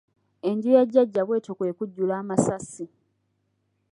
Enju ya Jjajja bw'etyo kwe kujjula amasasi.